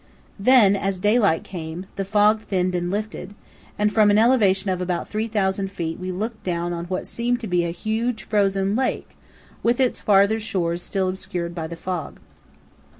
Then, as daylight came, the fog thinned and lifted, and from an elevation of about 3000 ft. we looked down on what seemed to be a huge frozen lake with its farther shores still obscured by the fog.